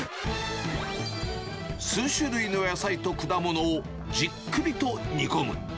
数種類の野菜と果物をじっくりと煮込む。